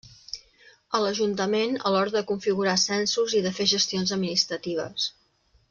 A l'Ajuntament a l'hora de configurar censos i de fer gestions administratives.